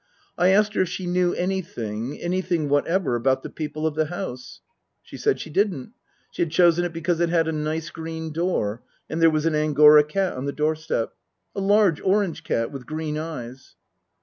I asked her if she knew anything, anything whatever, about the people of the house ? She said she didn't. She had chosen it because it had a nice green door, and there was an Angora cat on the door step. A large orange cat with green eyes.